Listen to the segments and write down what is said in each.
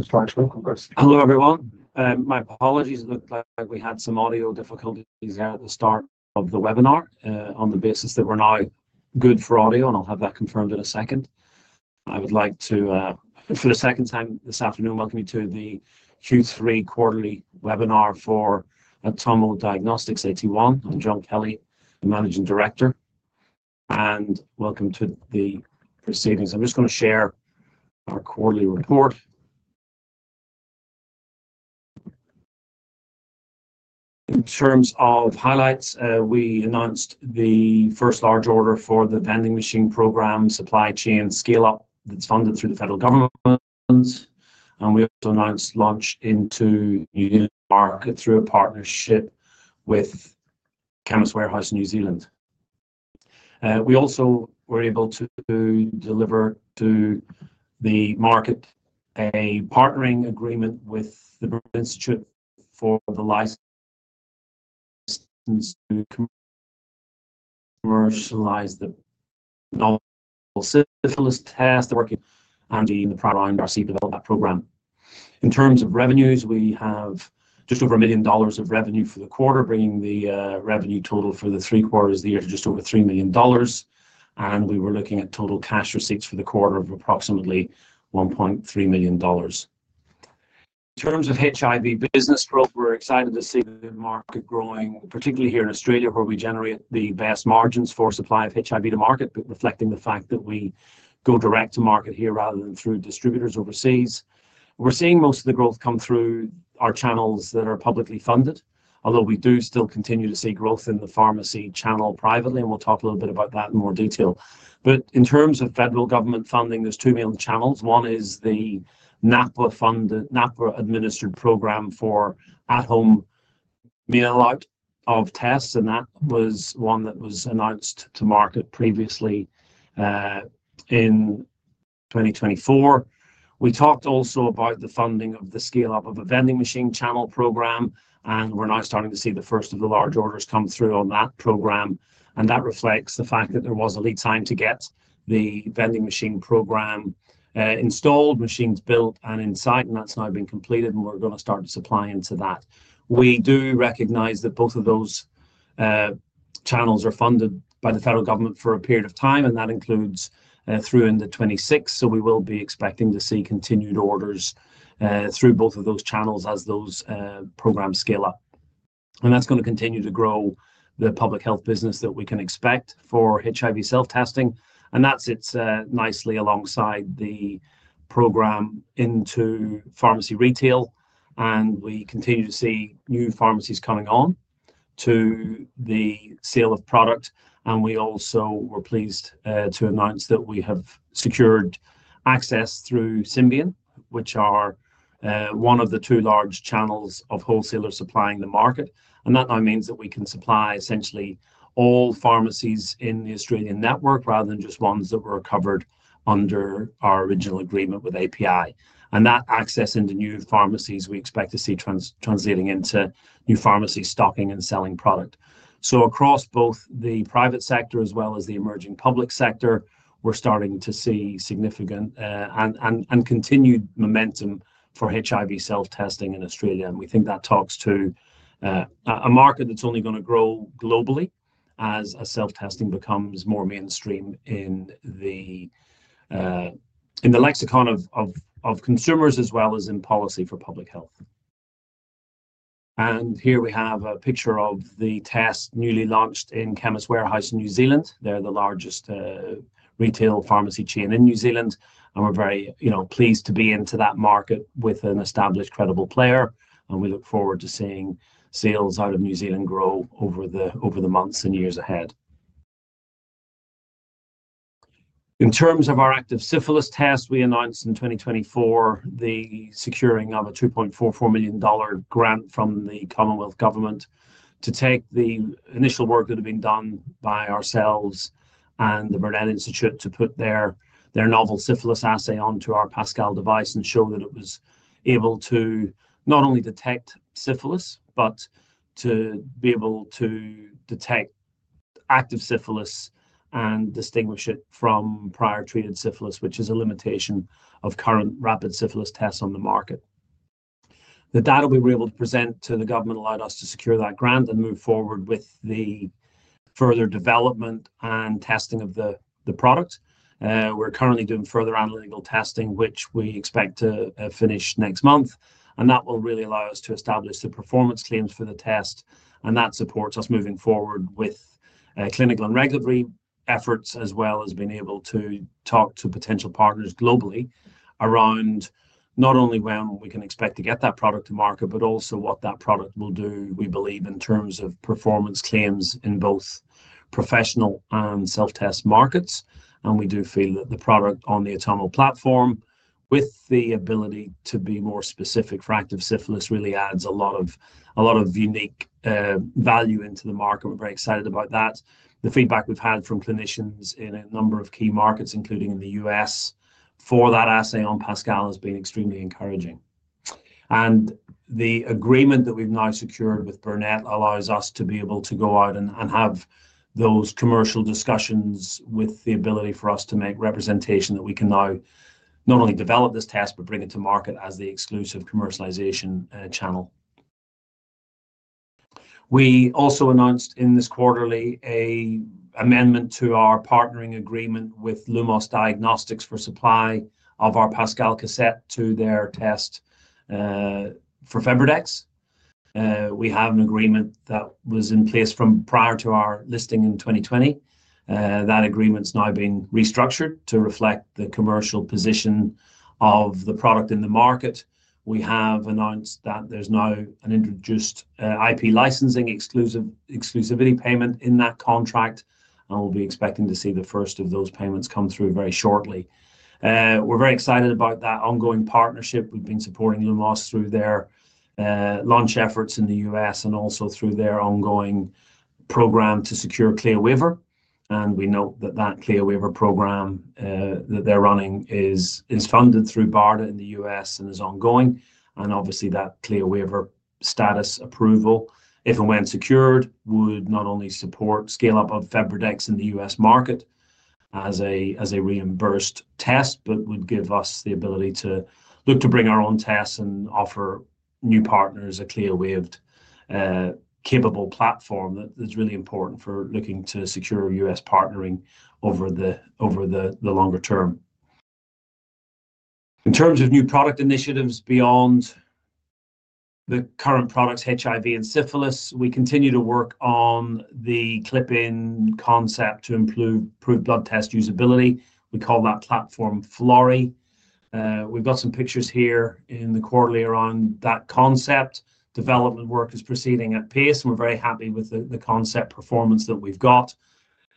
Thanks for joining us. Hello, everyone. My apologies, it looked like we had some audio difficulties there at the start of the webinar. On the basis that we're now good for audio, and I'll have that confirmed in a second, I would like to, for the second time this afternoon, welcome you to the Q3 quarterly webinar for Atomo Diagnostics. I'm John Kelly, the Managing Director, and welcome to the proceedings. I'm just going to share our quarterly report. In terms of highlights, we announced the first large order for the vending machine program, Supply Chain Scale-Up, that's funded through the federal government, and we also announced launch into New Zealand market through a partnership with Chemist Warehouse New Zealand. We also were able to deliver to the market a partnering agreement with the Institute for the Licensing to Commercialize the Non Syphilis Test, and the program. In terms of revenues, we have just over 1 million dollars of revenue for the quarter, bringing the revenue total for the three quarters of the year to just over 3 million dollars, and we were looking at total cash receipts for the quarter of approximately 1.3 million dollars. In terms of HIV business growth, we're excited to see the market growing, particularly here in Australia, where we generate the best margins for supply of HIV to market, reflecting the fact that we go direct to market here rather than through distributors overseas. We're seeing most of the growth come through our channels that are publicly funded, although we do still continue to see growth in the pharmacy channel privately, and we'll talk a little bit about that in more detail. In terms of federal government funding, there's two main channels. One is the NAPWHA-administered program for at-home mail-out of tests, and that was one that was announced to market previously in 2024. We talked also about the funding of the scale-up of a Vending Machine Channel Program, and we're now starting to see the first of the large orders come through on that program, and that reflects the fact that there was a lead time to get the Vending Machine Program installed, machines built, and in site, and that's now been completed, and we're going to start supplying to that. We do recognize that both of those channels are funded by the federal government for a period of time, and that includes through into 2026, so we will be expecting to see continued orders through both of those channels as those programs scale up. That is going to continue to grow the public health business that we can expect for HIV Self-Testing, and that sits nicely alongside the program into pharmacy retail, and we continue to see new pharmacies coming on to the sale of product, and we also were pleased to announce that we have secured access through Symbion, which are one of the two large channels of wholesalers supplying the market, and that now means that we can supply essentially all pharmacies in the Australian network rather than just ones that were covered under our original agreement with API, and that access into new pharmacies we expect to see translating into new pharmacies stocking and selling product. Across both the private sector as well as the emerging public sector, we're starting to see significant and continued momentum for HIV Self-Testing in Australia, and we think that talks to a market that's only going to grow globally as self-testing becomes more mainstream in the lexicon of consumers as well as in policy for public health. Here we have a picture of the test newly launched in Chemist Warehouse New Zealand. They're the largest retail pharmacy chain in New Zealand, and we're very pleased to be into that market with an established credible player, and we look forward to seeing sales out of New Zealand grow over the months and years ahead. In terms of our active syphilis test, we announced in 2024 the securing of an 2.44 million dollar grant from the Commonwealth Government to take the initial work that had been done by ourselves and the Burnet Institute to put their novel syphilis assay onto our Pascal device and show that it was able to not only detect syphilis, but to be able to detect active syphilis and distinguish it from prior treated syphilis, which is a limitation of current rapid syphilis tests on the market. The data we were able to present to the government allowed us to secure that grant and move forward with the further development and testing of the product. We're currently doing further analytical testing, which we expect to finish next month, and that will really allow us to establish the performance claims for the test, and that supports us moving forward with clinical and regulatory efforts as well as being able to talk to potential partners globally around not only when we can expect to get that product to market, but also what that product will do, we believe, in terms of performance claims in both professional and self-test markets, and we do feel that the product on the Atomo platform, with the ability to be more specific for active syphilis, really adds a lot of unique value into the market. We're very excited about that. The feedback we've had from clinicians in a number of key markets, including in the U.S., for that assay on Pascal has been extremely encouraging. The agreement that we've now secured with Burnet allows us to be able to go out and have those commercial discussions with the ability for us to make representation that we can now not only develop this test, but bring it to market as the exclusive commercialization channel. We also announced in this quarterly an amendment to our partnering agreement with Lumos Diagnostics for supply of our Pascal cassette to their test for FebriDx. We have an agreement that was in place from prior to our listing in 2020. That agreement's now being restructured to reflect the commercial position of the product in the market. We have announced that there's now an introduced IP licensing exclusivity payment in that contract, and we'll be expecting to see the first of those payments come through very shortly. We're very excited about that ongoing partnership. We've been supporting Lumos through their launch efforts in the U.S. and also through their ongoing program to secure CLIA waiver, and we note that that CLIA waiver program that they're running is funded through BARDA in the U.S. and is ongoing, and obviously that CLIA waiver status approval, if and when secured, would not only support scale-up of FebriDx in the U.S. market as a reimbursed test, but would give us the ability to look to bring our own tests and offer new partners a CLIA-waived, capable platform that is really important for looking to secure U.S. partnering over the longer term. In terms of new product initiatives beyond the current products, HIV and syphilis, we continue to work on the CLIP-IN concept to improve blood test usability. We call that platform FLORI. We've got some pictures here in the quarterly around that concept. Development work is proceeding at pace, and we're very happy with the concept performance that we've got.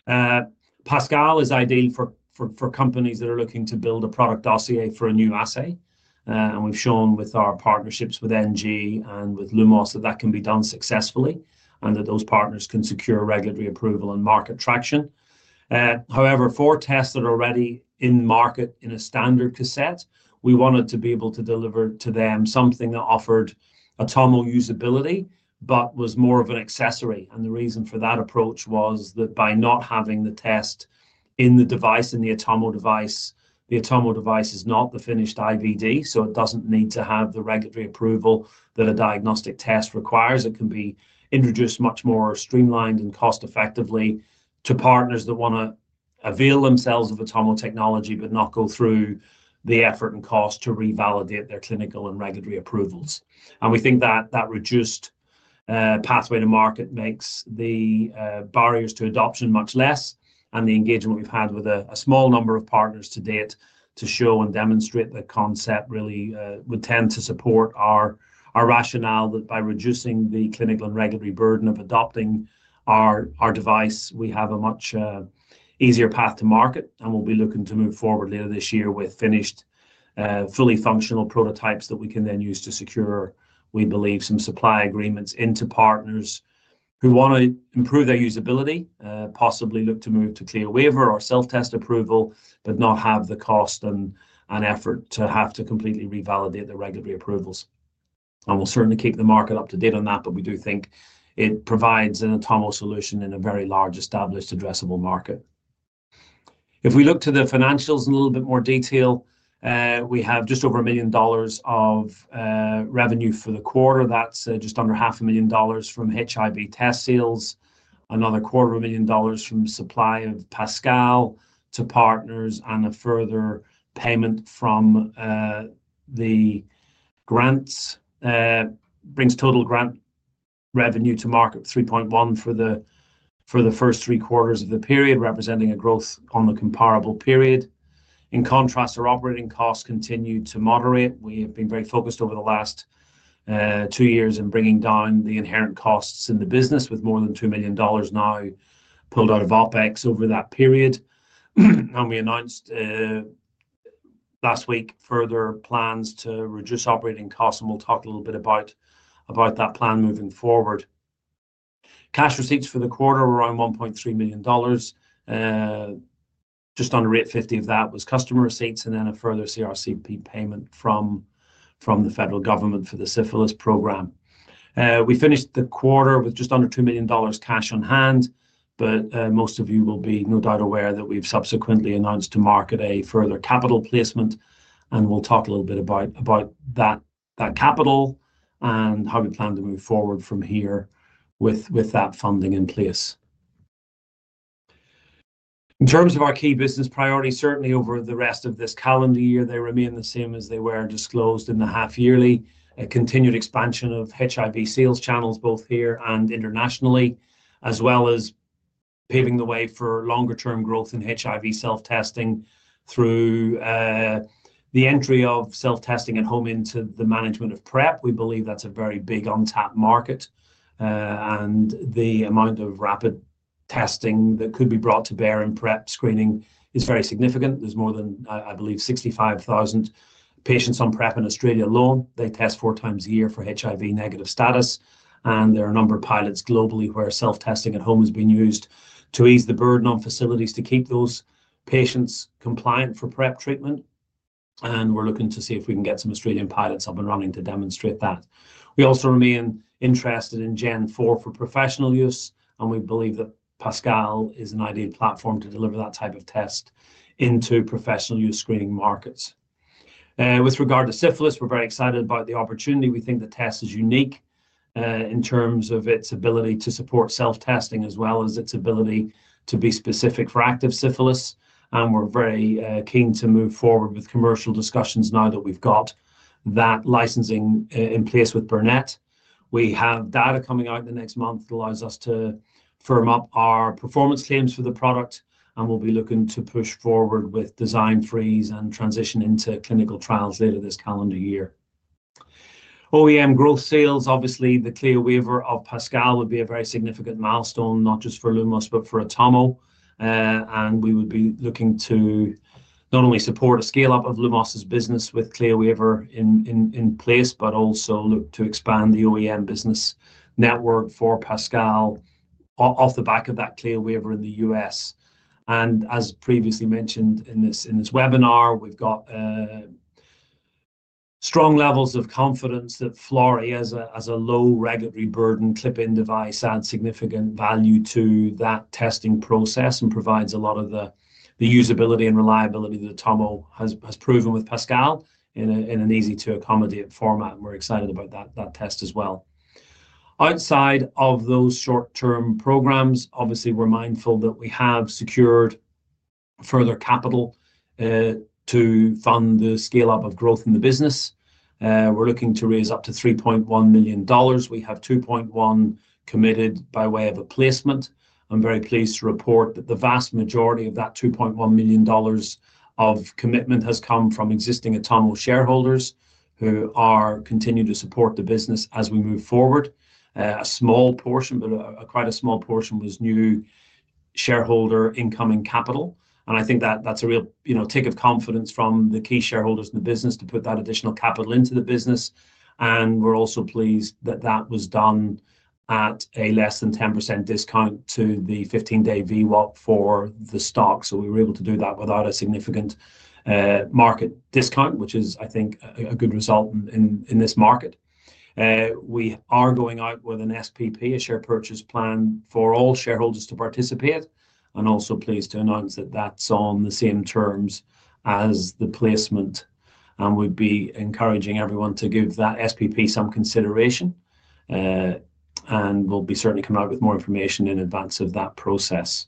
Pascal is ideal for companies that are looking to build a product dossier for a new assay, and we've shown with our partnerships with NG and with Lumos that that can be done successfully and that those partners can secure regulatory approval and market traction. However, for tests that are already in market in a standard cassette, we wanted to be able to deliver to them something that offered Atomo usability, but was more of an accessory, and the reason for that approach was that by not having the test in the device, in the Atomo device, the Atomo device is not the finished IVD, so it doesn't need to have the regulatory approval that a diagnostic test requires. It can be introduced much more streamlined and cost-effectively to partners that want to avail themselves of Atomo technology but not go through the effort and cost to revalidate their clinical and regulatory approvals. We think that that reduced pathway to market makes the barriers to adoption much less, and the engagement we've had with a small number of partners to date to show and demonstrate the concept really would tend to support our rationale that by reducing the clinical and regulatory burden of adopting our device, we have a much easier path to market, and we'll be looking to move forward later this year with finished, fully functional prototypes that we can then use to secure, we believe, some supply agreements into partners who want to improve their usability, possibly look to move to CLIA waiver or self-test approval, but not have the cost and effort to have to completely revalidate the regulatory approvals. We'll certainly keep the market up to date on that, but we do think it provides an Atomo solution in a very large, established, addressable market. If we look to the financials in a little bit more detail, we have just over 1 million dollars of revenue for the quarter. That's just under 500,000 dollars from HIV test sales, another 250,000 dollars from supply of Pascal to partners, and a further payment from the grants brings total grant revenue to market of 3.1 million for the first three quarters of the period, representing a growth on the comparable period. In contrast, our operating costs continue to moderate. We have been very focused over the last two years in bringing down the inherent costs in the business, with more than 2 million dollars now pulled out of OpEx over that period, and we announced last week further plans to reduce operating costs, and we'll talk a little bit about that plan moving forward. Cash receipts for the quarter were around 1.3 million dollars. Just under 8.50 of that was customer receipts and then a further CRCP payment from the federal government for the syphilis program. We finished the quarter with just under 2 million dollars cash on hand, but most of you will be no doubt aware that we've subsequently announced to market a further capital placement, and we'll talk a little bit about that capital and how we plan to move forward from here with that funding in place. In terms of our key business priorities, certainly over the rest of this calendar year, they remain the same as they were disclosed in the half-yearly. A continued expansion of HIV sales channels both here and internationally, as well as paving the way for longer-term growth in HIV Self-Testing through the entry of self-testing at home into the management of PrEP. We believe that's a very big untapped market, and the amount of rapid testing that could be brought to bear in PrEP screening is very significant. There's more than, I believe, 65,000 patients on PrEP in Australia alone. They test four times a year for HIV negative status, and there are a number of pilots globally where self-testing at home has been used to ease the burden on facilities to keep those patients compliant for PrEP treatment, and we're looking to see if we can get some Australian pilots up and running to demonstrate that. We also remain interested in Gen 4 for professional use, and we believe that Pascal is an ideal platform to deliver that type of test into professional use screening markets. With regard to syphilis, we're very excited about the opportunity. We think the test is unique in terms of its ability to support self-testing as well as its ability to be specific for active syphilis, and we're very keen to move forward with commercial discussions now that we've got that licensing in place with Burnet. We have data coming out in the next month that allows us to firm up our performance claims for the product, and we'll be looking to push forward with design freeze and transition into clinical trials later this calendar year. OEM growth sales, obviously the CLIA waiver of Pascal would be a very significant milestone, not just for Lumos but for Atomo, and we would be looking to not only support a scale-up of Lumos's business with CLIA waiver in place, but also look to expand the OEM business network for Pascal off the back of that CLIA waiver in the U.S. As previously mentioned in this webinar, we've got strong levels of confidence that Florey, as a low regulatory burden CLIP-IN device, adds significant value to that testing process and provides a lot of the usability and reliability that Atomo has proven with Pascal in an easy-to-accommodate format. We're excited about that test as well. Outside of those short-term programs, obviously we're mindful that we have secured further capital to fund the scale-up of growth in the business. We're looking to raise up to 3.1 million dollars. We have 2.1 million committed by way of a placement. I'm very pleased to report that the vast majority of that 2.1 million dollars of commitment has come from existing Atomo shareholders who continue to support the business as we move forward. A small portion, but quite a small portion, was new shareholder incoming capital, and I think that's a real tick of confidence from the key shareholders in the business to put that additional capital into the business, and we're also pleased that that was done at a less than 10% discount to the 15-day VWAP for the stock, so we were able to do that without a significant market discount, which is, I think, a good result in this market. We are going out with an SPP, a share purchase plan, for all shareholders to participate, and also pleased to announce that that's on the same terms as the placement, and we'd be encouraging everyone to give that SPP some consideration, and we'll be certainly coming out with more information in advance of that process.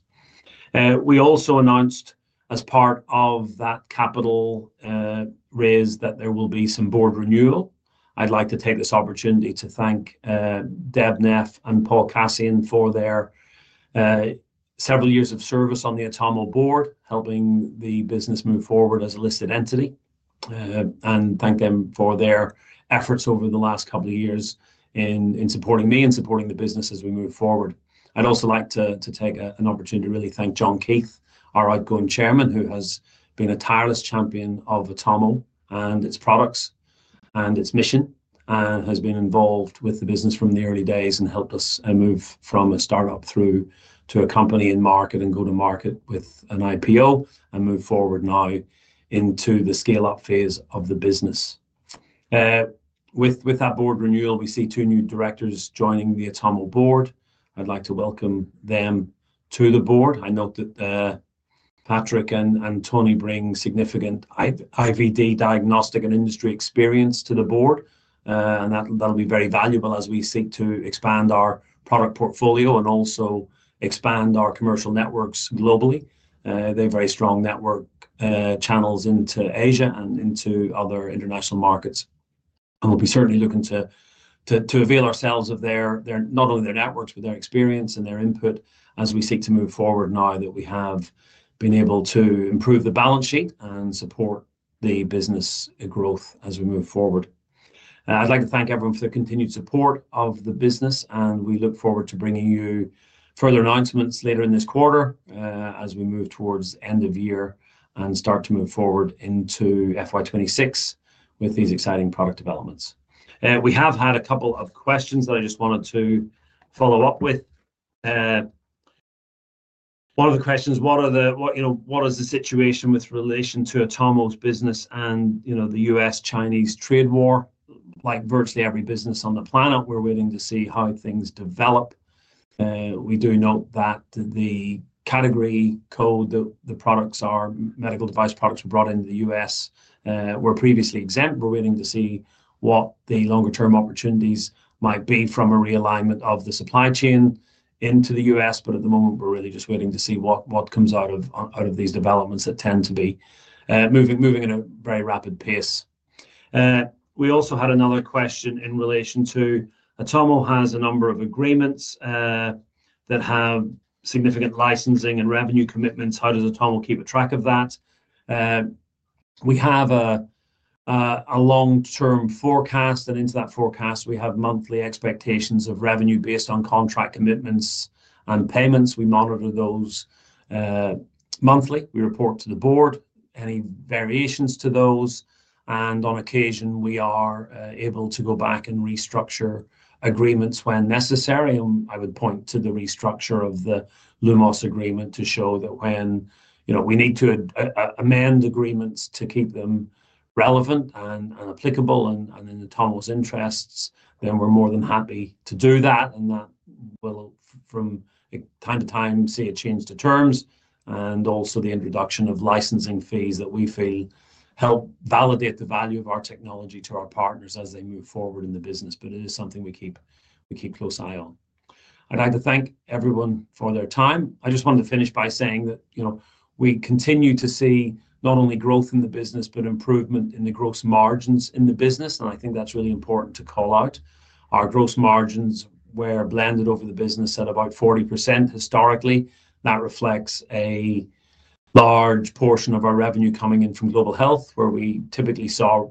We also announced, as part of that capital raise, that there will be some Board renewal. I'd like to take this opportunity to thank Deb Neff and Paul Kasian for their several years of service on the Atomo Board, helping the business move forward as a listed entity, and thank them for their efforts over the last couple of years in supporting me and supporting the business as we move forward. I'd also like to take an opportunity to really thank John Keith, our outgoing Chairman, who has been a tireless champion of Atomo and its products and its mission, and has been involved with the business from the early days and helped us move from a startup through to a company in market and go to market with an IPO and move forward now into the scale-up phase of the business. With that Board renewal, we see two new directors joining the Atomo Board. I'd like to welcome them to the Board. I note that Patrick and Tony bring significant IVD Diagnostic and Industry experience to the Board, and that'll be very valuable as we seek to expand our product portfolio and also expand our commercial networks globally. They have very strong network channels into Asia and into other international markets, and we'll be certainly looking to avail ourselves of not only their networks but their experience and their input as we seek to move forward now that we have been able to improve the balance sheet and support the business growth as we move forward. I'd like to thank everyone for their continued support of the business, and we look forward to bringing you further announcements later in this quarter as we move towards the end of year and start to move forward into FY 26 with these exciting product developments. We have had a couple of questions that I just wanted to follow up with. One of the questions: what is the situation with relation to Atomo's business and the U.S.-Chinese trade war? Like virtually every business on the planet, we're waiting to see how things develop. We do note that the category code that the medical device products were brought into the U.S. were previously exempt. We're waiting to see what the longer-term opportunities might be from a realignment of the supply chain into the U.S., but at the moment, we're really just waiting to see what comes out of these developments that tend to be moving at a very rapid pace. We also had another question in relation to Atomo has a number of agreements that have significant licensing and revenue commitments. How does Atomo keep track of that? We have a long-term forecast, and into that forecast, we have monthly expectations of revenue based on contract commitments and payments. We monitor those monthly. We report to the Board any variations to those, and on occasion, we are able to go back and restructure agreements when necessary. I would point to the restructure of the Lumos agreement to show that when we need to amend agreements to keep them relevant and applicable and in Atomo's interests, then we're more than happy to do that, and that will, from time to time, see a change to terms and also the introduction of licensing fees that we feel help validate the value of our technology to our partners as they move forward in the business, but it is something we keep close eye on. I'd like to thank everyone for their time. I just wanted to finish by saying that we continue to see not only growth in the business but improvement in the gross margins in the business, and I think that's really important to call out. Our gross margins were blended over the business at about 40% historically. That reflects a large portion of our revenue coming in from global health, where we typically saw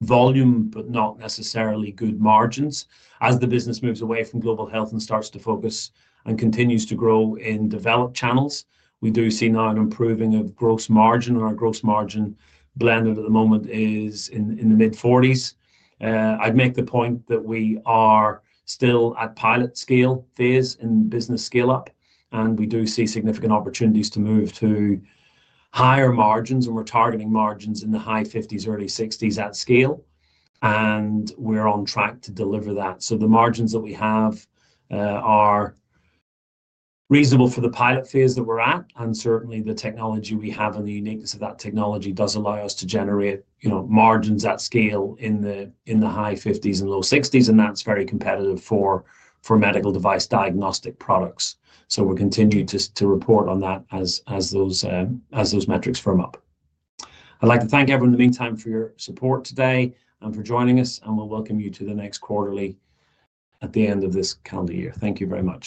volume but not necessarily good margins. As the business moves away from global health and starts to focus and continues to grow in developed channels, we do see now an improving of gross margin, and our gross margin blended at the moment is in the mid-40%. I'd make the point that we are still at pilot scale phase in business scale-up, and we do see significant opportunities to move to higher margins, and we're targeting margins in the high 50% to early 60% at scale, and we're on track to deliver that. The margins that we have are reasonable for the pilot phase that we're at, and certainly the technology we have and the uniqueness of that technology does allow us to generate margins at scale in the high 50s and low 60s, and that's very competitive for medical device diagnostic products. We'll continue to report on that as those metrics firm up. I'd like to thank everyone in the meantime for your support today and for joining us, and we'll welcome you to the next quarterly at the end of this calendar year. Thank you very much.